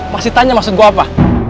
masih tanya maksud gue apa